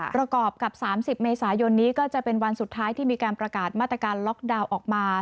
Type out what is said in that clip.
ประกอบกับ๓๐เมษายนนี้ก็จะเป็นวันสุดท้ายที่มีการประกาศมาตรการล็อกดาวน์ออกมา